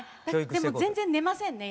でも全然寝ませんね